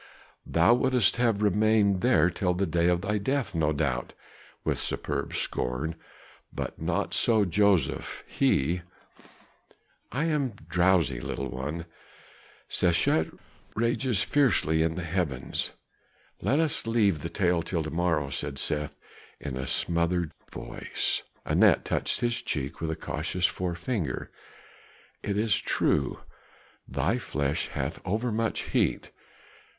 "Thou wouldst have remained there till the day of thy death, no doubt," with superb scorn, "but not so Joseph; he " "I am drowsy, little one; Sechet rages fiercely in the heavens; let us leave the tale till to morrow," said Seth in a smothered voice. Anat touched his cheek with a cautious forefinger. "It is true, thy flesh hath over much heat.